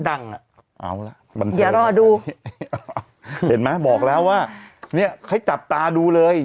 ดังอ่ะเอาล่ะเดี๋ยวรอดูเห็นไหมบอกแล้วว่าเนี่ยให้จับตาดูเลย